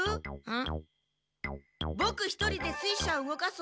ん？